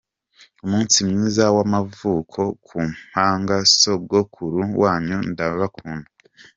Umunsi mwiza w’amavuko ku mpanga, sogokuru wanyu ndabakunda.